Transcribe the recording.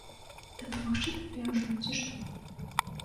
Дапамагчы табе ўжо, ці што?